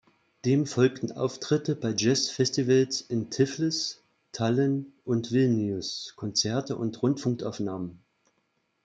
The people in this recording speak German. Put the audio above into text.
Dem folgten Auftritte bei Jazz-Festivals in Tiflis, Tallinn und Vilnius, Konzerte und Rundfunkaufnahmen.